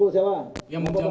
delapan sampai sepuluh tahun